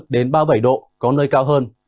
ba mươi bốn đến ba mươi bảy độ có nơi cao hơn